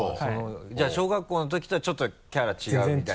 じゃあ小学校のときとはちょっとキャラ違うみたいな？